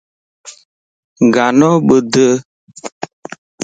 گانو ٻڌ